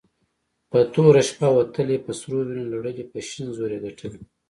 په توره شپه وتلې په سرو وينو لړلې په شين زور يي ګټلې